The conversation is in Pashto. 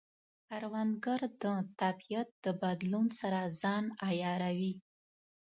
کروندګر د طبیعت د بدلون سره ځان عیاروي